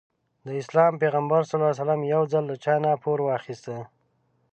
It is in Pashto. د اسلام پيغمبر ص يو ځل له چانه پور واخيسته.